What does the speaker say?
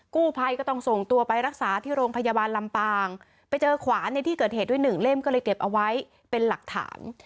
กู้ภัยก็ต้องส่งตัวไปรักษาที่โรงพยาบาลลำปางไปเจอขวานในที่เกิดเหตุด้วยหนึ่งเล่มก็เลยเก็บเอาไว้เป็นหลักฐาน